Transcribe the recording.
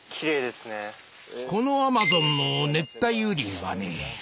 このアマゾンの熱帯雨林はね。